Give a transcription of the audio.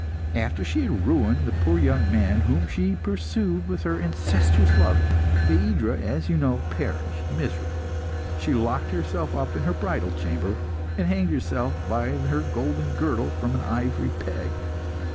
After she had ruined the poor young man whom she pursued with her incestuous love, Phaedra, as you know, perished miserably. She locked herself up in her bridal chamber, and hanged herself by her golden girdle from an ivory peg.